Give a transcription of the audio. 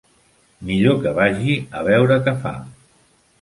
Millor que vagi a veure què fa.